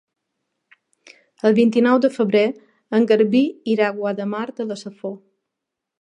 El vint-i-nou de febrer en Garbí irà a Guardamar de la Safor.